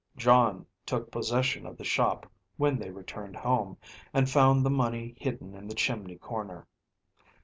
John took possession of the shop when they returned home, and found the money hidden in the chimney corner.